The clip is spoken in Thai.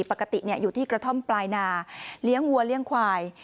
ปกติอยู่ที่กระท่อมปลายนาเลี้ยงวัวเลี้ยงควาย